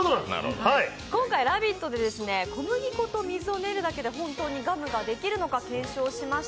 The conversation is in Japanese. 今回「ラヴィット！」で小麦粉と水だけで本当にガムができるのか検証しました。